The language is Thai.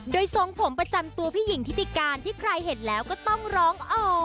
โดยทรงผมประจำตัวพี่หญิงทิติการที่ใครเห็นแล้วก็ต้องร้องอ๋อ